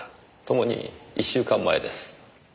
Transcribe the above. ともに１週間前です。